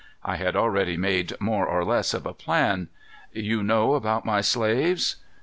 I had already made more or less of a plan. You know about my slaves?"